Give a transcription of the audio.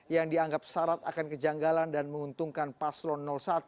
yang dianggap syarat akan kejanggalan dan menguntungkan paslon satu